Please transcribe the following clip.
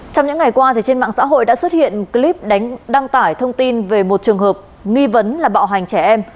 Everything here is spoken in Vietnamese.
trong những ngày qua trên mạng xã hội đã xuất hiện clip đăng tải thông tin về một trường hợp nghi vấn là bạo hành trẻ em